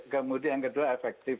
kemudian yang kedua efektif